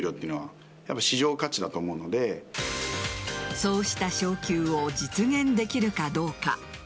そうした昇給を実現できるかどうか。